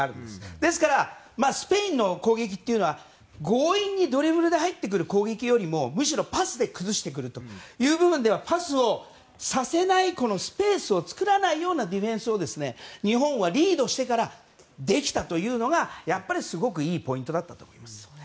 ですからスペインの攻撃というのは強引にドリブルで入ってくる攻撃よりもむしろパスで崩してくるという部分ではパスをさせないスペースを作らないようなディフェンスを日本はリードしてからできたというのがやっぱりすごくいいポイントだったと思います。